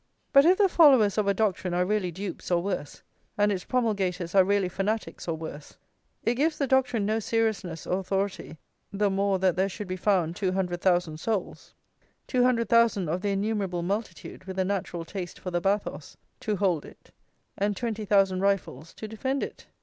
But if the followers of a doctrine are really dupes, or worse, and its promulgators are really fanatics, or worse, it gives the doctrine no seriousness or authority the more that there should be found 200,000 souls, 200,000 of the innumerable multitude with a natural taste for the bathos, to hold it, and 20,000 rifles to defend it.